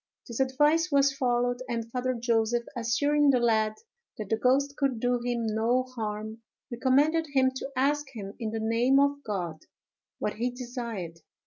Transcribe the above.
This advice was followed; and Father Joseph, assuring the lad that the ghost could do him no harm, recommended him to ask him, in the name of God, what he desired.